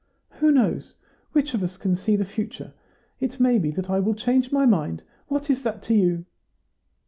"Who knows? which of us can see the future? It may be that I will change my mind. What is that to you?"